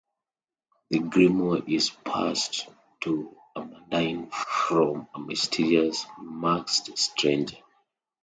The Grimoire is passed to Amandine from a mysterious masked stranger.